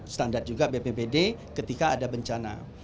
standar juga bpbd ketika ada bencana